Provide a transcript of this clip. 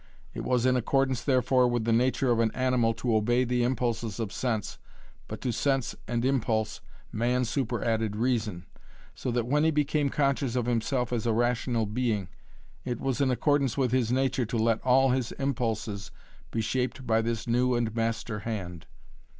It was in accordance therefore with the nature of an animal to obey the Impulses of sense, but to sense and Impulse man superadded reason so that when he became conscious of himself as a rational being, it was in accordance with his nature to let all his Impulses be shaped by this new and master hand.